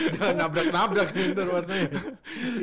jangan nabrak nabrak ya warna itu